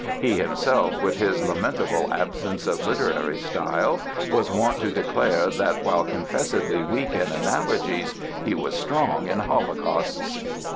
He himself, with his lamentable absence of literary style, was wont to declare that while confessedly weak in analogies he was strong in holocausts.